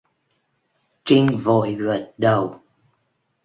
Trinh vội gật đầu